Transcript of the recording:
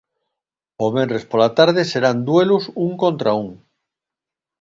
O venres pola tarde serán duelos un contra un.